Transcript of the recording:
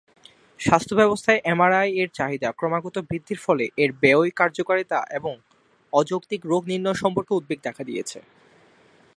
স্বাস্থ্য ব্যবস্থায় এমআরআই-এর চাহিদা ক্রমাগত বৃদ্ধির ফলে এর ব্যয় কার্যকারিতা এবং অযৌক্তিক রোগ নির্ণয় সম্পর্কে উদ্বেগ দেখা দিয়েছে।